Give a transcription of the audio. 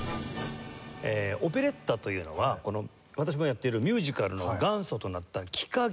オペレッタというのは私もやっているミュージカルの元祖となった喜歌劇。